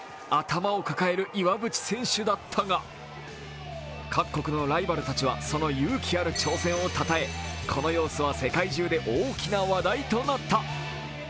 頭を抱える岩渕選手だったが各国のライバルたちはその勇気ある挑戦をたたえこの様子は世界中で大きな話題となった。